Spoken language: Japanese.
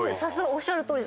おっしゃるとおり。